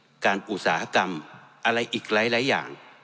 ที่ประกอบการพาณิชย์การอุตสาหกรรมอะไรอีกหลายอย่าง